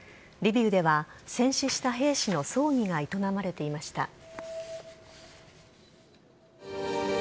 リビウでは、戦死した兵士の葬儀が営まれていました。